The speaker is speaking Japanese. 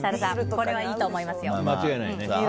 これはいいと思いますよ。